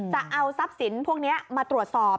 จะเอาทรัพย์สินพวกนี้มาตรวจสอบ